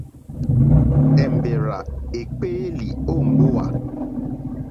Èmbèrzà èkpéélì ó mbówà.